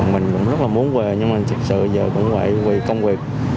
mình cũng rất là muốn về nhưng mà thực sự giờ cũng vậy vì công việc